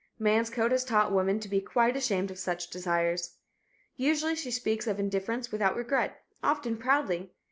Man's code has taught woman to be quite ashamed of such desires. Usually she speaks of indifference without regret; often proudly.